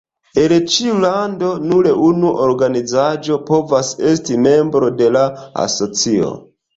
El ĉiu lando nur unu organizaĵo povas esti membro de la asocio.